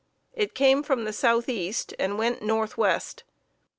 It came from the southeast, and went northwest.